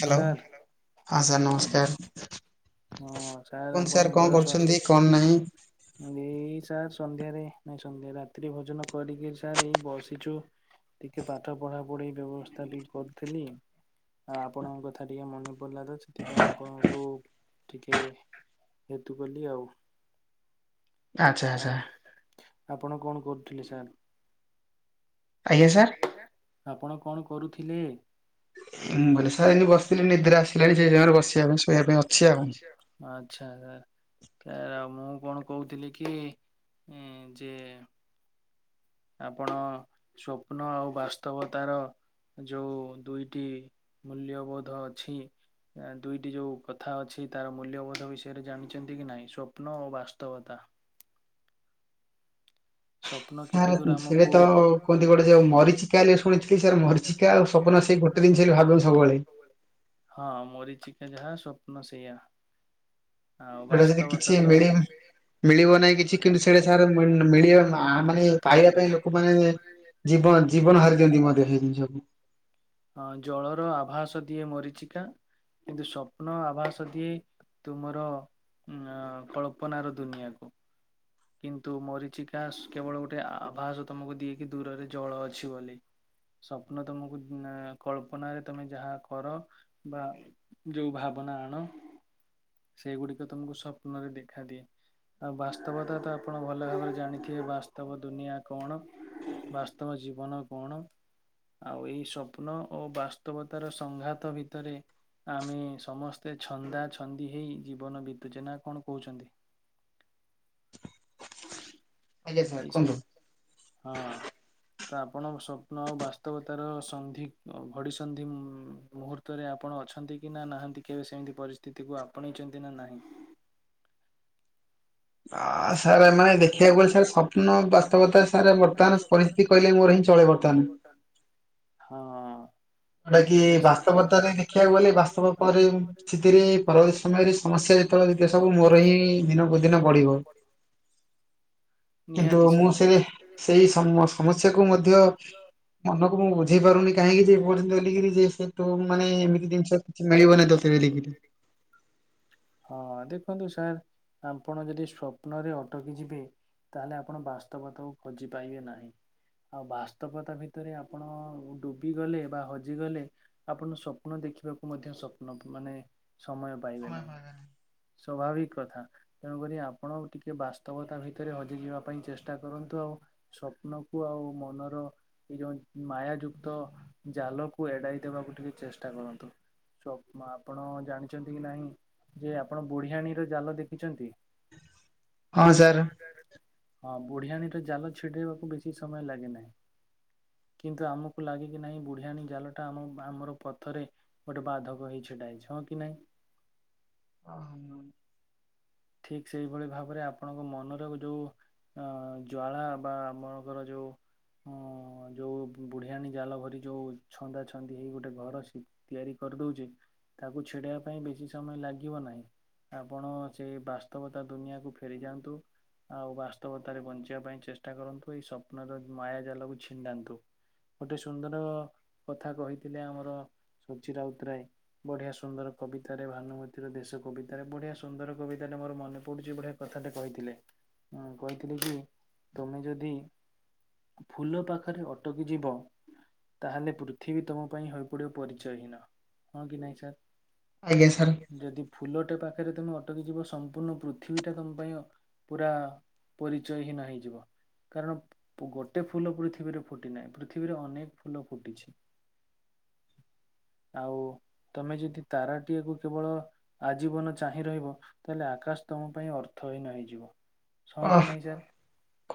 Hello ହଁ sir ନମସ୍କାର। କଣ ସାର୍ କଣ କରୁଚନ୍ତି କଣ ନାହିଁ? ଏଇ ସାର୍ ସନ୍ଧ୍ୟାରେ ନାଇଁ ସନ୍ଧ୍ୟା ରାତିରେ ଭୋଜନ କରିକି ସାର୍ ଏଇ ବସିଚୁ। ଟିକେ ପାଠ ପଢ଼ା ପଢ଼ି ବ୍ୟବସ୍ଥା ଟିକେ କରୁଥିଲି। ଆ ଆପଣଙ୍କ କଥା ଟିକେ ମନେ ପଡିଲା ତ ସେଥିପାଇଁ ଆପଣଙ୍କୁ ଟିକେ ହେତୁ କଲି ଆଉ। ହଁ ଆପଣ କଣ କରୁଥିଲେ ସାର୍? ଆଜ୍ଞା ଆପଣ କଣ କରୁଥିଲେ? ହୁଁ ବୋଇଲେ ସାର୍ ଏମିତି ବସିଥିଲି ନିଦ୍ରା ଆସିଲାଣି ସେଇ ଜାଗାରେ ବସିବା ପାଇଁ ଶୋଇବା ପାଇଁ ଅଛି ଆଉ। ଆଚ୍ଛା ଆ ସାର୍ ମୁଁ କଣ କହୁଥିଲି କି ଯେ ଆପଣ ସ୍ୱପ୍ନ ଆଉ ବାସ୍ତବତାର ଯୋଉ ଦୁଇଟି ମୂଲ୍ୟବୋଧ ଅଛି। ଦୁଇଟି ଯେଉଁ କଥା ଅଛି ତାର ମୂଲ୍ୟବୋଧ ବିଷୟରେ ଜାଣିଛନ୍ତି କି ନାହିଁ ସ୍ୱପ୍ନ ଓ ବାସ୍ତବତା। ସ ସାର୍ ସେଏ ତ କୁହନ୍ତି ଗୋଟେ ଯୋଉ ମରିଚିକା ଶୁଣିଥିଲି ସାର୍ ମରିଚିକା ଆଉ ସ୍ୱପ୍ନ ସେଇ ଗୋଟେ ଜିନିଷ ବି ଭାବ ସବୁବେଳେ। ହଁ ମରିଚିକା ଯାହା ସ୍ୱପ୍ନ ସେଇୟା। ସେଟା ଯଦି କିଛି ମିଳିବ। ମିଳିବ ନାହିଁ କିଛି କିନ୍ତୁ ସେଟା ସାର ମିଳିବ ନା ଆ ମାନେ ପାଇବା ପାଇଁ ଲୋକମାନେ ଜୀବନ ଜୀବନ ହାରି ଦିଅନ୍ତି ମଧ୍ୟ ସେଇ ଜିନିଷକୁ। ଅ ଜଳର ଆଭାସ ଦିଏ ମରିଚିକା। କିନ୍ତୁ ସ୍ୱପ୍ନ ଆଭାସ ଦିଏ ତୁମର ଉ କଳ୍ପନା ର ଦୁନିଆକୁ। କିନ୍ତୁ ମରିଚିକା କେବଳ ଗୋଟେ ଆଭାସ ତମକୁ ଦିଏକି ଦୂରରେ ଜଳ ଅଛି ବୋଲି। ସ୍ୱପ୍ନ ତମକୁ କଳ୍ପନା ରେ ତମେ ଯାହା କର ବା ଯୋଉ ଭାବନା ଆଣ ସେଇଗୁଡିକ ତମକୁ ସ୍ୱପ୍ନ ରେ ଦେଖା ଦିଏ। ଆଉ ବାସ୍ତବ ତ ଆପଣ ଭଲ ଭାବରେ ଜାଣିଥିବେ ବାସ୍ତବ ଦୁନିଆ କଣ। ବାସ୍ତବ ଜୀବନ କଣ। ଆଉ ଏଇ ସ୍ୱପ୍ନ ଓ ବାସ୍ତବତାର ସଂଘାତ ଭିତରେ ଆମେ, ସମସ୍ତେ ଛନ୍ଦା, ଛନ୍ଦି ହେଇ ଜୀବନ ବିତୁଛେ। ନା କଣ କହୁଛନ୍ତି? ଏଇ ଯୋଉ, ହଁ। ତ ଆପଣଙ୍କ ସ୍ୱପ୍ନ ଆଉ ବାସ୍ତବତାର ସନ୍ଧି ଅ ଘଡ଼ିସନ୍ଧି ମୁହୂର୍ତ୍ତ ତରେ ଆପଣ ଅଛନ୍ତି କି ନା ନାହାନ୍ତି କେବେ ସେମିତି ପରିସ୍ଥିତିକୁ ଆପଣେଇଛନ୍ତି ନା ନାହିଁ? ଆ ସାର୍ ଏ ମାନେ ଦେଖିବାକୁ ଗଲେ ସାର୍ ସ୍ୱପ୍ନ ବାସ୍ତବତା ସାର୍ ବର୍ତ୍ତମାନ ପରି କହିଲେ ମୋର ହିଁ ଚଳେ ବର୍ତ୍ତମାନ। ହଁ। ଯୋଉଟା କି ବାସ୍ତବତାରେ ଦେଖିବାକୁ ଗଲେ ବାସ୍ତବ ପରେ ସେଥିରେ ପରବର୍ତୀ ସମୟରେ ସମସ୍ୟା ଯେତେବେଳେ ଏ ସବୁ ମୋର ହିଁ ଦିନ ସବୁ ଦିନ ବଢ଼ିବ। କିନ୍ତୁ ମୁଁ ସେ ସେଇ ସମ ସମସ୍ୟା କୁ ମଧ୍ୟ, ମନକୁ ମୁଁ ବୁଝେଇ ପାରୁନି କାହିଁକି ଯେ [unintelligible] ତୁ ମାନେ ଏମିତି ଜିନିଷ କିଛି ମିଳିବନି ତୋତେ ବୋଲିକିରି। ହଁ। ଦେଖନ୍ତୁ ସାର୍, ଆପଣ ଯଦି ସ୍ଵପ୍ନରେ ଅଟକି ଯିବେ ତାହେଲେ ଆପଣ ବାସ୍ତବତାକୁ ଖୋଜିପାଇବେ ନାହିଁ। ଆଉ ବାସ୍ତବତା ଭିତରେ ଆପଣ, ଡୁବି ଗଲେ ବା ହଜିଗଲେ ଆପଣ ସ୍ୱପ୍ନ ଦେଖିବାକୁ ମଧ୍ୟ ସ୍ୱପ୍ନ ମାନେ ସମୟ ପାଇବେ ନାହିଁ। ସ୍ଵଭାବିକ କଥା। ତେଣୁକରି ଆପଣ ଟିକେ ବାସ୍ତବତା ଭିତରେ ହଜିଯିବା ପାଇଁ ଚେଷ୍ଟା କରନ୍ତୁ। ଆଉ ସ୍ୱପ୍ନ କୁ ଆଉ ମନର ଏଇ ଯୋଉ ମାୟା ଯୁକ୍ତ ଜାଲକୁ ଏଡାଇ ଦେବାକୁ ଟିକେ ଚେଷ୍ଟା କରନ୍ତୁ। ସ୍ୱ ଆପଣ ଜାଣିଛନ୍ତି ନାହିଁ, ଯେ ଆପଣ ବୁଢିଆଣୀର ଜାଲ ଦେଖିଛନ୍ତି ହଁ ସାର୍। ବୁଢ଼ିଆଣୀର ଜାଲ ଛିଡେଇବାକୁ ବେଶି ସମୟ ଲାଗେନାହିଁ। କିନ୍ତୁ ଆମକୁ ଲାଗିକେ ନାହିଁ ବୁଢିଆଣୀ ଜାଲଟା ଆମ ଆମର ପଥରେ ଗୋଟେ ବାଧକ ହୋଇ ଛିଡ଼ା ହେଇଛି। ହଁ କି ନାଇଁ? [unintelligible] ଠିକ୍ ସେଇଭଳି ଭାବରେ ଆପଣଙ୍କ ମନର ଯୋଉ ଅ ଜ୍ୱାଳା ବା ଆପଣଙ୍କର ଯୋଉ ଉଁ ଯୋଉ ବୁଢିଆଣୀ ଜାଲ ଭରି ଯୋଉ ଛନ୍ଦା ଛନ୍ଦି ହେଇ ଗୋଟେ ଘର ଶୀ ତିଆରି କରିଦଉଚି, ତାକୁ ଛିଡ଼େଇ ପାଇଁ ବେଶି ସମୟ ଲାଗିବ ନାହିଁ। ଆପଣ, ସେ ବାସ୍ତବତା ଦୁନିଆକୁ ଫେରିଯାଆନ୍ତୁ। ଆଉ ବାସ୍ତବତାରେ ବଞ୍ଚିବା ପାଇଁ ଚେଷ୍ଟା କରନ୍ତୁ। ଏଇ ସ୍ୱପ୍ନର ମାୟା ଜାଲକୁ ଛିଣ୍ଡାନ୍ତୁ। ଗୋଟେ ସୁନ୍ଦର କଥା କହିଥିଲେ ଆମର ସୁଚି ରାଉତରାୟ, ବଢିଆ ସୁନ୍ଦର କବିତାରେ ଭାନୁମତିର ଦେଶ କବିତାରେ ବଢ଼ିଆ ସୁନ୍ଦର କବିତାରେ ମୋର ମନେ ପଡ଼ୁଛି ବଢ଼ିଆ କଥାଟେ କହିଥିଲେ। ଉଁ କହିଥିଲି କି, ତମେ ଯଦି ଫୁଲ ପାଖରେ ଅଟକି ଯିବ ତାହେଲେ ପୃଥିବୀ ତୁମ ପାଇଁ ହୋଇପଡ଼ିବ ପରିଚୟହୀନ। ହଁ କି ନାହିଁ ସାର୍? ଯଦି ଫୁଲଟେ ପାଖରେ ତମେ ଅଟକି ଯିବ ସମ୍ପୂର୍ଣ୍ଣ ପୃଥିବୀଟା ତମ ପାଇଁ ପୁରା ପରିଚୟହୀନ ହେଇଯିବ। କାରଣ ପୁ ଗୋଟେ ଫୁଲ ପୃଥିବୀରେ ଫୁଟି ନାହିଁ, ପୃଥିବୀରେ ଅନେକ ଫୁଲ ଫୁଟିଛି। ଆଉ, ତମେ ଯଦି ତାରାଟିଏ କୁ କେବଳ, ଆଜୀବନ ଚାହିଁ ରହିବ, ତାହେଲେ ଆକାଶ ତମ ପାଇଁ ଅର୍ଥ ହୀନ ହେଇଯିବ। ଓଃ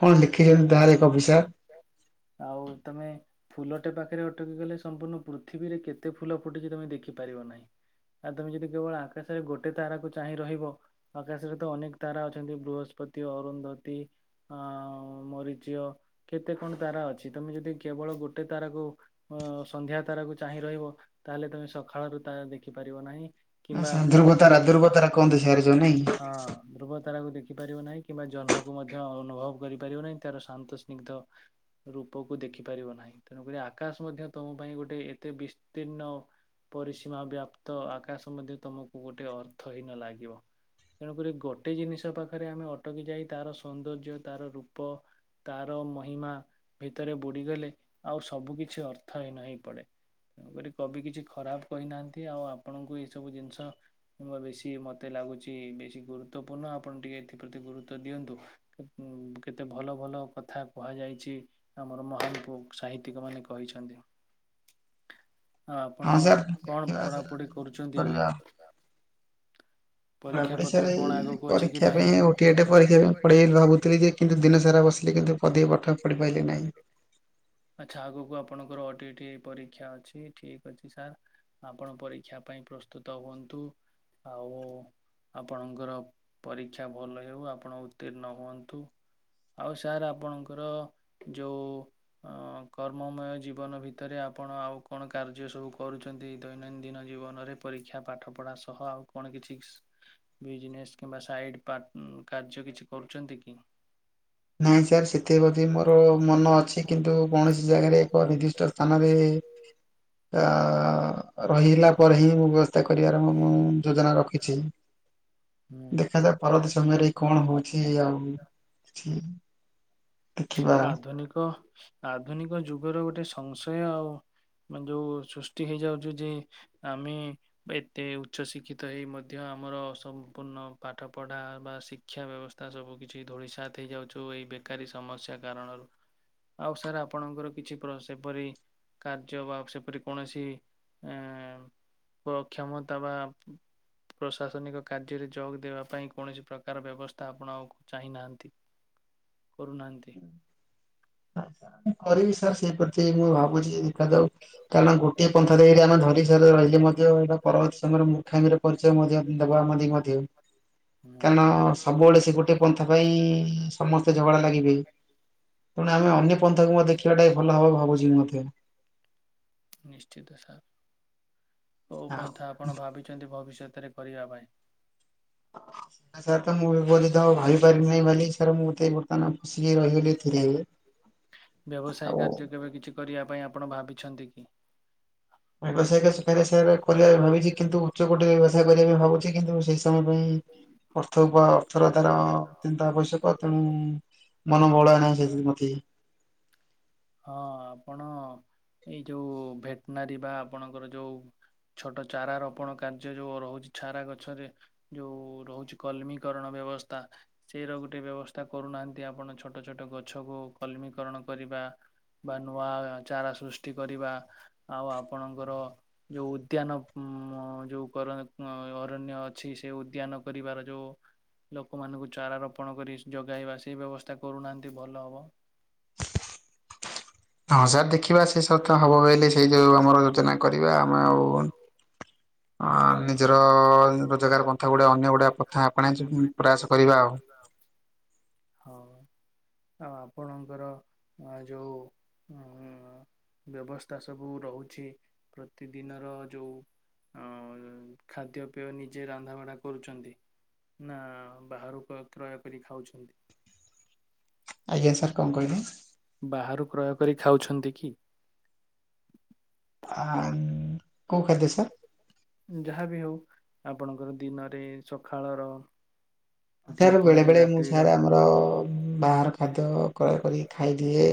କଣ ଲେଖିଛନ୍ତି ଧାରେ କବିି ସାର? ଆଉ ତମେ ଫୁଲଟେ ପାଖରେ ଅଟକି ଗଲେ ସମ୍ପୂର୍ଣ୍ଣ ପୃଥିବୀରେ କେତେ ଫୁଲ ଫୁଟିଛି ତମେ ଦେଖିପାରିବ ନାହିଁ। ଆଉ ତମେ ଯଦି କେବଳ ଆକାଶରେ ଗୋଟେ ତାରାକୁ ଚାହିଁ ରହିବ ଆକାଶରେ ତ ଅନେକ ତାରା ଅଛନ୍ତି ବୃହସ୍ପତି, ଅରୁନ୍ଧତି ଆ ମରିଚିଅ କେତେ କଣ ତାରା ଅଛି ତମେ ଯଦି କେବଳ ଗୋଟେ ତାରାକୁ ଅ ସନ୍ଧ୍ୟା ତାରାକୁ ଚାହିଁ ରହିବ ତାହେଲେ ତମେ ସକାଳର ତାରା ଦେଖିପାରିବ ନାହିଁ କିମ୍ବା ଅ ହଁ। ଧ୍ରୁବ ତାରାକୁ ଦେଖିପାରିବ ନାହିଁ କିମ୍ବା ଜହ୍ନକୁ ମଧ୍ୟ ଅନୁଭବ କରିପାରିବ ନାହିଁ ତାର ଶାନ୍ତ ସ୍ନିଗ୍ଧ ରୂପକୁ ଦେଖିପାରିବ ନାହିଁ ତେଣୁକରି ଆକାଶ ମଧ୍ୟ ତମ ପାଇଁ ଗୋଟେ ଏତେ ବିସ୍ତୀର୍ଣ୍ଣ ପରିସୀମା ବ୍ୟାପ୍ତ ଆକାଶ ମଧ୍ୟ ତମକୁ ଗୋଟେ ଅର୍ଥ ହୀନ ଲାଗିବ। ତେଣୁକରି ଗୋଟେ ଜିନିଷ ପାଖରେ ଆମେ ଅଟକି ଯାଇ ତାର ସୌନ୍ଦର୍ଯ୍ୟ ତାର ରୂପ ତାର ମହିମା ଭିତରେ ବୁଡିଗଲେ ଆଉ ସବୁ କିଛି ଅର୍ଥହୀନ ହେଇପଡେ। ତେଣୁକରି କବି କିଛି ଖରାପ କହିନାହାନ୍ତି ଆଉ ଆପଣଙ୍କୁ ଏଇ ସବୁ ଜିନିଷ କିମ୍ୱା ବେଶୀ ମତେ ଲାଗୁଚି ବେଶୀ ଗୁରୁତ୍ୱପୂର୍ଣ୍ଣ ଆପଣ ଟିକେ ଏଥିପ୍ରତି ଗୁରୁତ୍ୱ ଦିଅନ୍ତୁ। ଉଁ କେତେ ଭଲ ଭଲ କଥା କୁହାଯାଇଛି ଆମର ମହାନ ପୁ ସାହିତିକ ମାନେ କହିଛନ୍ତି। ହଁ ଆପଣ କଣ ପଢାପଢି କରୁଛନ୍ତି ଏବେ? ପଢ଼ାପଢ଼ି ସାର୍ ଏଇ, ପରୀକ୍ଷା ପାଇଁ ଓଟିଇଟି ପରୀକ୍ଷା ପାଇଁ ପଢ଼ିବି ବୋଲି ଭାବୁଥିଲି ଯେ କିନ୍ତୁ ଦିନ ସାରା ବସିଲେ କିନ୍ତୁ ପଦିଏ ପାଠ ପଢି ପାଇଲି ନାହିଁ। ଆଚ୍ଛା ଆଗକୁ ଆପଣଙ୍କର ଓଟିଇଟି ପରୀକ୍ଷା ଅଛି ଠିକ ଅଛି ସାର୍ ଆପଣ ପରୀକ୍ଷା ପାଇଁ ପ୍ରସ୍ତୁତ ହୁଅନ୍ତୁ ଆଉ ଆପଣଙ୍କର ପରୀକ୍ଷା ଭଲ ହେଉ ଆପଣ ଉତ୍ତୀର୍ଣ୍ଣ ହୁଅନ୍ତୁ। ଆଉ ସାର୍ ଆପଣଙ୍କର ଯୋଉ ଅ କର୍ମମୟ ଜୀବନ ଭିତରେ ଆପଣ ଆଉ କଣ କାର୍ଯ୍ୟ ସବୁ କରୁଛନ୍ତି ଦୈନନ୍ଦିନ ଜୀବନରେ ପରୀକ୍ଷା ପାଠ ପଢା ସହ ଆଉ କଣ କିଛି ଶୀ ବିଜନେସ୍ କିମ୍ବା ସାଇଡ୍ ପାର୍ଟ ଉଁ କାର୍ଯ୍ୟ କିଛି କରୁଛନ୍ତି କି? ନାଇଁ ସାର୍ ସେଥିପ୍ରତି ମୋର ମନ ଅଛି କିନ୍ତୁ କୌଣସି ଜାଗାରେ ଏକ ନିର୍ଦ୍ଦିଷ୍ଟ ସ୍ଥାନରେ ଅ ରହିିହେଲା ପରେ ହିଁ ମୁଁ ତାହା କରିବାର ମୁଁ ଯୋଜନା ରଖିଛି ଦେଖାଯାଉ ପରବର୍ତ୍ତୀ ସମୟରେ କଣ ହଉଛି ଆଉ ଛି ଆଧୁନିକ ଆଧୁନିକ ଯୁଗର ଗୋଟେ ସଂଶୟ ଆଉ। ମାନେ ଯୋଉ ସୃଷ୍ଟି ହେଇଯାଉଛି ଯେ ଆମେ ବା ଏତେ ଉଚ୍ଚଶିକ୍ଷିତ ହେଇ ମଧ୍ୟ ଆମର ସମ୍ପୂର୍ଣ୍ଣ ପାଠ ପଢ଼ା ବା ଶିକ କ୍ଷା ବ୍ୟବସ୍ଥା ସବୁ କିଛି ଧୂଳିସାତ ହେଇଯାଉଛୁ ଏଇ ବେକାରୀ ସମସ୍ୟା କାରଣରୁ। ଆଉ ସାର୍ ଆପଣଙ୍କର କିଛି ପ୍ର ସେପରି କାର୍ଯ୍ୟ ବା ସେପରି କୌଣସି ଏଁ ବ କ୍ଷମତା ବା ପ୍ରଶାସନିକ କାର୍ଯ୍ୟରେ ଯୋଗ ଦେବା ପାଇଁ କୌଣସି ପ୍ରକାର ବ୍ୟବସ୍ଥା ଆପଣ ଆଗକୁ ଚାହିଁନାହାନ୍ତି। କରୁନାହାନ୍ତି। ମୁଁ କରିବି ସାର୍ ସେଇ ପ୍ରତି ମୁଁ ଭାବୁଛି ଦେଖାଯାଉ କାରଣ ଗୋଟଏ ପନ୍ଥା ଦେଇରି ଆମେ ଧରି ସାରି ରହିଲେ ମଧ୍ୟ ଏଇଟା ପରବର୍ତ୍ତୀ ସମୟରେ ମୂର୍ଖାମିରେ ଖର୍ଚ୍ଚ ମଧ୍ୟ ଦେବା ଆମ ଦି [unintelligible] ହୁଁ। ପୁଣି ସେ ଗୋଟେ ପନ୍ଥା ପାଇଁ ସମସ୍ତେ ଝଗଡା ଲାଗିବେ। ତେଣୁ ଆମେ ଅନ୍ୟ ପନ୍ଥାକୁ ମଧ୍ୟ ଦେଖିବାଟା ଭଲ ହବ ଭାବୁଚି ମତେ। ନିଶ୍ଚିତ ସାର୍। କୋଉ ପନ୍ଥା ଆପଣ ଭାବିଚନ୍ତି ଭବିଷ୍ୟତରେ କରିବା ପାଇଁ? ସାର୍ ତ ମୁଁ ଏପର୍ଯ୍ୟନ୍ତ ଭାବିପାରି ନାହିଁ ବୋଲି ସାର୍ ମୁଁ ତ ଏ ବର୍ତ୍ତମାନ [unintelligible] ଥିଲି। ବ୍ୟବସାୟ କାର୍ଯ୍ୟ କରିବା ପାଇଁ ଆପଣ ଭାବିଛନ୍ତି କି? ବ୍ୟବସାୟିକ [unintelligible] ବିଷୟରେ କରିବା ପାଇଁ ଭାବିଚି କିନ୍ତୁ ଉଚ୍ଚକୋଟିରେ ବ୍ୟବସାୟ କରିବା ପାଇଁ ଭାବୁଚି କିନ୍ତୁ ସେ ସବୁ ପାଇଁ ଅର୍ଥ ଉପ ଅର୍ଥର ତାର ଚିନ୍ତା ଆବଶ୍ୟକ, ତେଣୁ ମନ ବଳାଇ ନାହିଁ ସେସବୁ ମତି। ହଁ ଆପଣ ଏଇ ଯୋଉ ଭେଟନାରୀ ବା ଆପଣଙ୍କର ଯୋଉ ଛୋଟ ଚାରାରୋପଣ କାର୍ଯ୍ୟ ଯୋଉ ରହୁଛି ଚାରା ଗଛରେ ଯୋଉ ରହୁଚି କଲମୀକରଣ ବ୍ୟବସ୍ଥା। ସେଇର ଗୋଟେ ବ୍ୟବସ୍ଥା କରୁନାହାଁନ୍ତି ଆପଣ ଛୋଟ ଛୋଟ ଗଛକୁ କଲମୀକରଣ କରିବା ବା ନୂଆ ଚାରା ସୃଷ୍ଟି କରିବା, ଆଉ ଆପଣଙ୍କର ଯୋଉ ଉଦ୍ୟାନ ଉମ ଯୋଉ କର ଅଁ ଅରଣ୍ୟ ଅଛି, ସେ ଉଦ୍ୟାନ କରିବାର ଯୋଉ ଲୋକମାନଙ୍କୁ ଚାରାରୋପଣ କରି ଯୋଗାଇବା ସେ ବ୍ୟବସ୍ଥା କରୁନାହାନ୍ତି ଭଲ ହବ। ହଁ ସାର୍ ଦେଖିବା ସେ ସତ ହବ ବୋଇଲେ ସେଇ ଯୋଉଁ ଆମର ଯୋଜନା କରିବା ଆମେ ଆଉ ଅଁ ନିଜର ରୋଜଗାର ପନ୍ଥା ଗୁଡିଏ ଅନ୍ୟ ଗୁଡିଏ ପନ୍ଥା ଆପଣାଇଚୁ [unintelligible] ପୁରା କରିବା। ହଁ ଆଉ ଆପଣଙ୍କର ଯୋଉ ଉଁ ବ୍ୟବସ୍ଥା ସବୁ ରହୁଛି ପ୍ରତିଦିନର ଯୋଉ ଆଉ ଖାଦ୍ୟପେୟ ନିଜେ ରନ୍ଧାବଢ଼ା କରୁଛନ୍ତି। ନା ବାହାରୁ କ-କ୍ରୟ କରି ଖାଉଛନ୍ତି? ଆଜ୍ଞା ସାର୍ କଁ କହିଲେ? ବାହାରୁ କ୍ରୟ କରି ଖାଉଛନ୍ତି କି? ଆନ୍ କଁ କହିଲେ ସାର୍? ଯାହାବି ହଉ ଆପଣଙ୍କର ଦିନରେ ସଖାଳର ସାର୍ ବେଳେ ବେଳେ ମୁଁ ସାର୍ ଆମର ବାହାର ଖାଦ୍ୟ କ୍ରୟ କରି ଖାଇଦିଏ।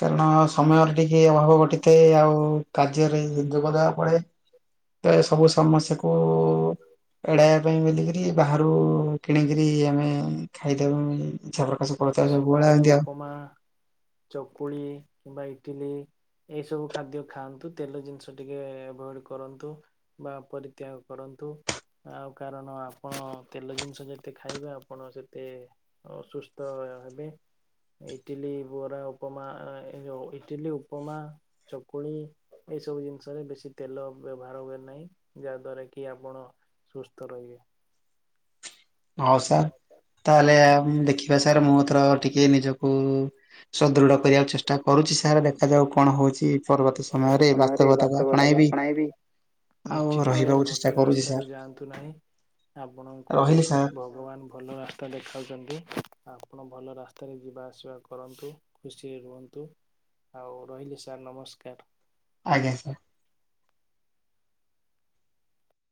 କାରଣ ସମୟର ଟିକେ ଅଭାବ ଟିକେ ଆଉ କାର୍ଯ୍ୟରେ ଯୋଗଦେବାକୁ ପଡ଼େ। ପ୍ରାୟେ ସବୁ ସମସ୍ୟାକୁ ଏଡାଇବା ପାଇଁ ବେଲିକିରି ବାହାରୁ କିଣିକିରି ଆମେ ଖାଇଦେବୁ ଇଏଁ। ଇଚ୍ଛା ପ୍ରକାଶ କରିଥାଉ ସବୁବେଳେ ଏନ୍ତି ଆଉ। ମା ଚକୁଳି କିମ୍ବା ଇଟିଲି ଏସବୁ ଖାଦ୍ୟ ଖାଆନ୍ତୁ ତେଲ ଜିନିଷ ଟିକେ ଆଭଏଡ୍ କରନ୍ତୁ। ବା ପରିତ୍ୟାଗ କରନ୍ତୁ। ଆଉ କାରଣ ଆପଣ ତେଲ ଜିନିଷ ଯେତେ ଖାଇବେ ଆପଣ ସେତେ ଅସୁସ୍ ତ ହେବେ। ଇଟିଲି, ବରା, ଉପମା ଏଇଯୋଉ ଇଟିଲି, ଉପମା, ଚକୁଳି ଏଇସବୁ ଜିନିଷରେ ବେଶୀ ତେଲ ବ୍ୟବହାର ହୁଏ ନାହିଁ, ଯାହା ଦ୍ଵାରା କି ଆପଣ ସୁସ୍ଥ ରହିବେ। ହଉ ସାର୍, ତାହେଲେ ଆମ ଦେଖିବା ସାର୍ ମୁଁ ଏଥର ଟିକେ ନିଜକୁ ସୁଦୃଢ କରିବାକୁ ଚେଷ୍ଟା କରୁଛି ସାର୍ ଦେଖାଯାଉ କଣ ହଉଚି ପରବର୍ତ୍ତୀ ସମୟରେ ବାସ୍ତବତା [unintelligible] ଆପଣାଇବି। ନିଶ୍ଚିତ ଭାବରେ ଗୋଟେ ରାସ୍ତାରେ ଯାଆନ୍ତୁ ନାହିଁ, ଆପଣଙ୍କୁ ଭଗବାନ ଭଲ ରାସ୍ତା ଦେଖାଉଛନ୍ତି, ଆପଣ ଭଲ ରାସ୍ତାରେ ଯିବା ଆସିବା କରନ୍ତୁ। ଖୁସିରେ ରୁହନ୍ତୁ, ଆଉ ରହିଲି ସାର୍ ନମସ୍କାର। ଆଜ୍ଞା ସାର୍।